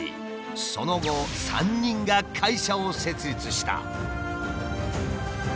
その後３人が会社を設立した。